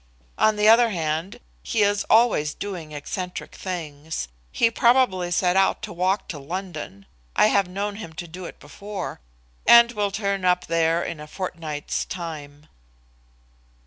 On the other hand, he is always doing eccentric things. He probably set out to walk to London I have known him do it before and will turn up there in a fortnight's time."